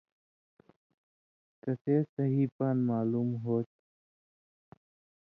کسے سہی پان٘د معلوم ہو تھی: